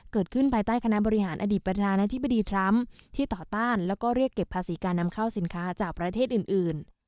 ภายใต้คณะบริหารอดีตประธานาธิบดีทรัมป์ที่ต่อต้านแล้วก็เรียกเก็บภาษีการนำเข้าสินค้าจากประเทศอื่น